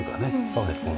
そうですね。